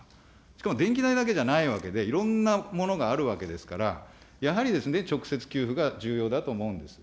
しかも電気代だけじゃないわけで、いろんなものがあるわけですから、やはり直接給付が重要だと思うんです。